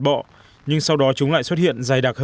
bọ nhưng sau đó chúng lại xuất hiện dày đặc